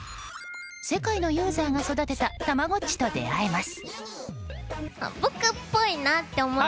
世界のユーザーが育てたたまごっちと出会えます。